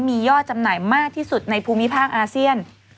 มียอดจำหน่ายมากที่สุดในภูมิภาคอาเซียน